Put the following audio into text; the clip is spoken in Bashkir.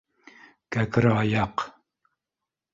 — Кәкре аяҡ.